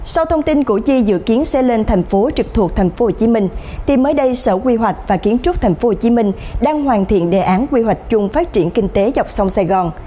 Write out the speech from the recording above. sau thông tin củ chi dự kiến sẽ lên thành phố trực thuộc tp hcm thì mới đây sở quy hoạch và kiến trúc tp hcm đang hoàn thiện đề án quy hoạch chung phát triển kinh tế dọc sông sài gòn